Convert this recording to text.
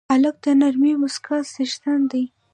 هلک د نرمې موسکا څښتن دی.